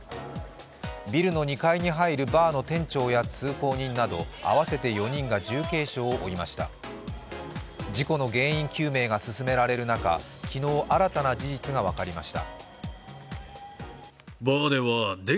ビルの２階に入るバーの店長や通行人など合わせて４人が重軽傷を負いました事故の原因究明が進められる中昨日、新たな事実が分かりました。